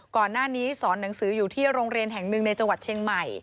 ก่อนหน้านี้สอนหนังสืออยู่ที่โรงเรียนแห่งหนึ่งในจังหวัดเชียงใหม่